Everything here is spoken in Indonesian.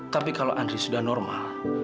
tapi kalau andri sudah normal